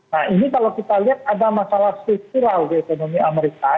nah ini kalau kita lihat ada masalah struktural di ekonomi amerika